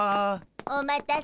お待たせ。